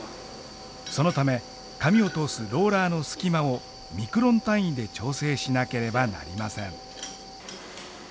そのため紙を通すローラーの隙間をミクロン単位で調整しなければなりません。